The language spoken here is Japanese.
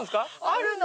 あるの。